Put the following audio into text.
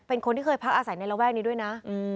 เป็นคนที่เคยพักอาศัยในระแวกนี้ด้วยนะ